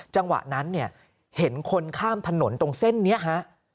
จังหวะนั้นเนี่ยเห็นคนข้ามถนนตรงเส้นนี้ฮะ